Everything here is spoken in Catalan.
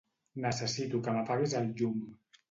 Necessito que m'apaguis el llum.